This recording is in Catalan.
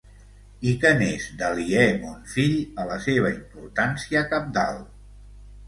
I què n'és, d'aliè, mon fill, a la seva importància cabdal!